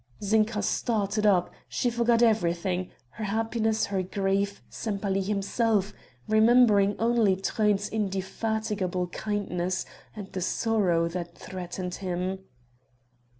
Zinka started up she forgot everything her happiness, her grief, Sempaly himself remembering only Truyn's indefatigable kindness and the sorrow that threatened him.